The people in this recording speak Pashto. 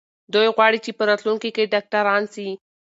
دوی غواړي چې په راتلونکي کې ډاکټران سي.